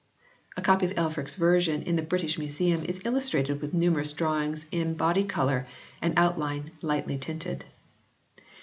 A copy of ^Elfric s version in the British Museum is illustrated with numerous drawings in body colour and outline lightly tinted.